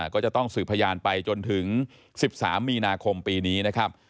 ก็จะต้องสืบพยานไปจนถึง๑๓มีนาคมปีนี้นะครับ